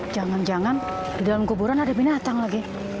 jangan jangan di dalam kuburan ada binatang lagi